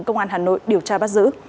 công an hà nội điều tra bắt giữ